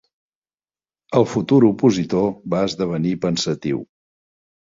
...el futur opositor va esdevenir pensatiu.